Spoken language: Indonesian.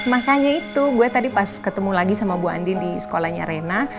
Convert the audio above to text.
makanya itu gue tadi pas ketemu lagi sama bu andin di sekolahnya rena